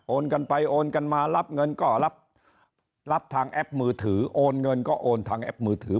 กันไปโอนกันมารับเงินก็รับรับทางแอปมือถือโอนเงินก็โอนทางแอปมือถือ